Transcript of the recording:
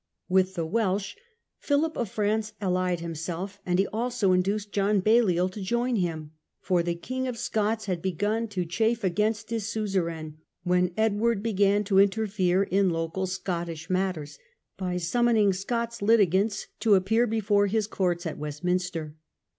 With the Welsh Philip of France allied himself; and he also induced John Balliol to join him. For the King of Scots had begun to chafe against his suzerain, when Edward began to interfere in local Scottish matters, by summoning Scots litigants to appear before his courts at Westminster.